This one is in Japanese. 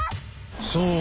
そう。